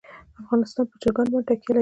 افغانستان په چرګان باندې تکیه لري.